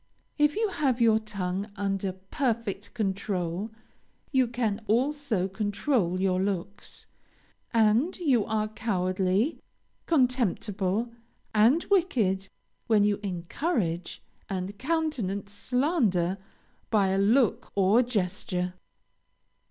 If you have your tongue under perfect control, you can also control your looks, and you are cowardly, contemptible, and wicked, when you encourage and countenance slander by a look or gesture.